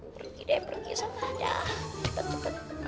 pergi deh pergi sana dijalan